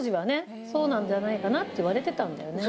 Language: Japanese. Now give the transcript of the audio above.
そうなんじゃないかって言われてたんだよね。